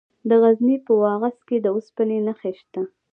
د غزني په واغظ کې د اوسپنې نښې شته.